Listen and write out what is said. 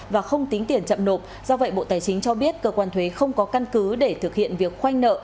và không tính tiền chậm nộp do vậy bộ tài chính cho biết cơ quan thuế không có căn cứ để thực hiện việc khoanh nợ